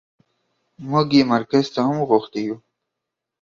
موږ يې مرکز ته هم غوښتي يو.